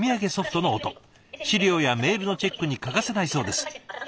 資料やメールのチェックに欠かせないそうです。